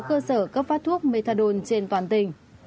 cơ sở cấp phát thuốc methadone trên toàn tỉnh